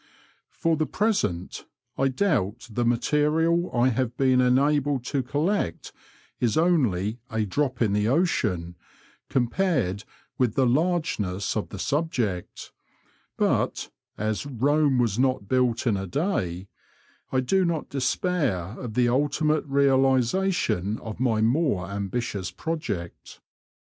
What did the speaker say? For the present, I doubt the material I have been enabled to collect is only *' a drop in the ocean " compared with the largeness of the subject, but as Eome was not built in a day," I do not despair of the ultimate realisation of my more ambitious project.